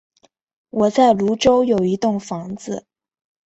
我在芦洲有一栋房子